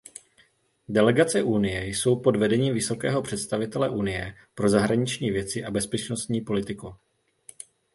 Delegace Unie jsou pod vedením vysokého představitele Unie pro zahraniční věci a bezpečnostní politiku.